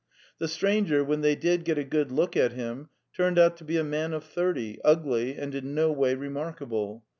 'The stranger, when they did get a good look at him, turned out to be a man of thirty, ugly and in no way remarkable.